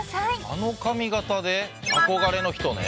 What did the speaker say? あの髪形で憧れの人ね。